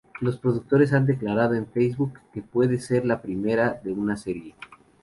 Los productores han declarado en Facebook que puede ser la primera de una serie.